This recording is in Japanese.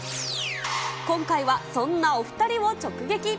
今回はそんなお２人を直撃。